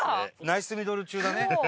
ナイスミドル中だね。